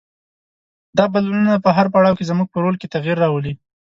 دا بدلونونه په هر پړاو کې زموږ په رول کې تغیر راولي.